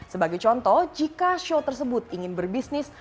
sebagai contoh jika show tersebut ingin berbisnis